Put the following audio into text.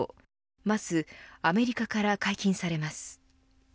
まずアメリカから解禁されます。